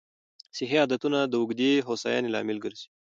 صحي عادتونه د اوږدې هوساینې لامل ګرځي.